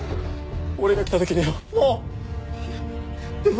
俺が来た時にはもう。